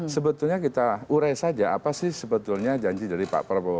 sebetulnya kita urai saja apa sih sebetulnya janji dari pak prabowo